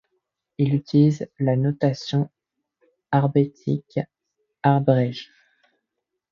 Il utilise la notation algébrique abrégée.